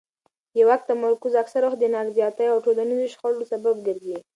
د واک تمرکز اکثره وخت د نارضایتۍ او ټولنیزو شخړو سبب ګرځي